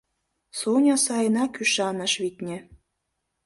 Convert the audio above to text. — Соня сайынак ӱшаныш, витне.